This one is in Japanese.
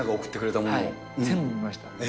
全部見ました。